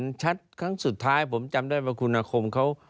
มันชัดครั้งสุดท้ายผมจำได้ว่าคุณอาคมเขา